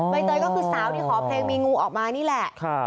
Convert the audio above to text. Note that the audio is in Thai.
เตยก็คือสาวที่ขอเพลงมีงูออกมานี่แหละ